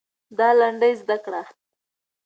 دا لنډۍ زده کړه.